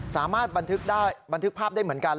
สามารถบันทึกภาพได้เหมือนกัน